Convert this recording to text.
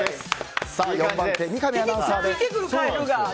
４番手、三上アナウンサーです。